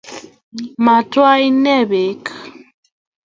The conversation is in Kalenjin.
Matwae inne beek